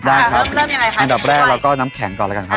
ได้ครับเริ่มยังไงคะอันดับแรกเราก็น้ำแข็งก่อนแล้วกันครับ